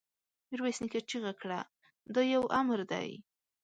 ميرويس نيکه چيغه کړه! دا يو امر دی!